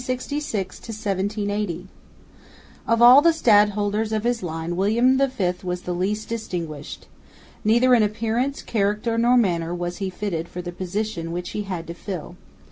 FIRST PERIOD, 1766 1780 Of all the stadholders of his line William V was the least distinguished. Neither in appearance, character nor manner was he fitted for the position which he had to fill.